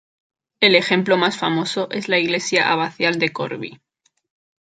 El ejemplo más famoso es la iglesia abacial de Corvey.